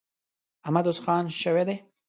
احمد اوس خان شوی دی.